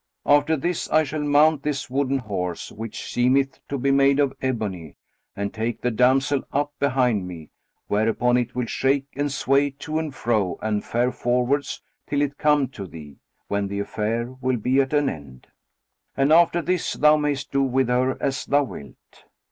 After this, I shall mount this wooden horse which seemeth to be made of ebony, and take the damsel up behind me; whereupon it will shake and sway to and fro and fare forwards, till it come to thee, when the affair will be at an end; and after this thou mayst do with her as thou wilt."